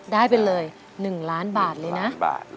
ได้เป็นเลย๑ล้านบาทนะ